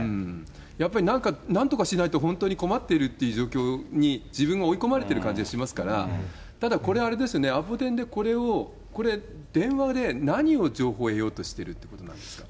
やっぱりなんとかしないと、本当に困ってるって状況に自分が追い込まれてる感じがしますから、ただ、これあれですよね、アポ電でこれを、これ、電話で何を情報を得ようとしてるってことなんですかね。